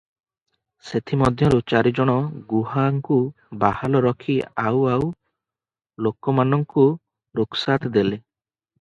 ସେଥିମଧ୍ୟରୁ ଚାରିଜଣ ଗୁହାଙ୍କୁ ବାହାଲ ରଖି ଆଉ ଆଉ ଲୋକମାନଙ୍କୁ ରୋକସାତ୍ ଦେଲେ ।